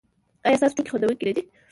ایا ستاسو ټوکې خندونکې نه دي؟